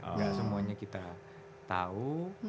gak semuanya kita tahu